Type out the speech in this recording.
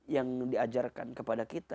yang diajarkan kepada kita